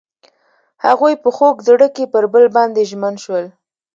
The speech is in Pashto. هغوی په خوږ زړه کې پر بل باندې ژمن شول.